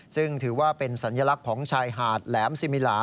ซึ่งถือว่าเป็นสัญลักษณ์ของชายหาดแหลมซิมิลา